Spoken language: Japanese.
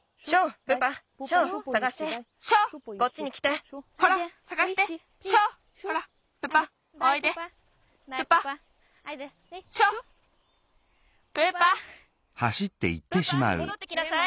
プパもどってきなさい！